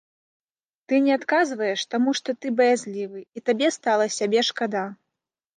Ты не адказваеш, таму што ты баязлівы і табе стала сябе шкада.